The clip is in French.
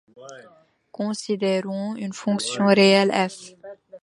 Considérons une fonction réelle ƒ.